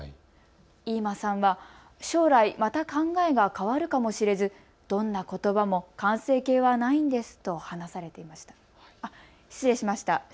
飯間さんは将来また考えが変わるかもしれずどんなことばも完成形はないんですと話されていました。